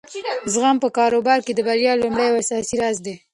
زغم په کاروبار کې د بریا لومړی او اساسي راز دی.